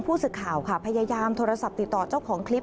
ผู้สื่อข่าวค่ะพยายามโทรศัพท์ติดต่อเจ้าของคลิป